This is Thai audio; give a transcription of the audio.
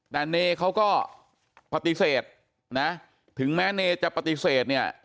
แต่เนเขาก็ปฏิเสธนะถึงแม้เนจะปฏิเสธเนี่ย